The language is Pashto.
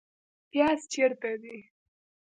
پیاز چیرته دي؟